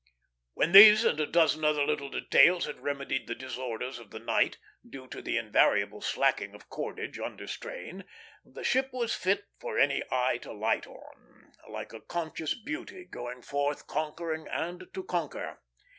When these and a dozen other little details had remedied the disorders of the night, due to the invariable slacking of cordage under strain, the ship was fit for any eye to light on, like a conscious beauty going forth conquering and to conquer.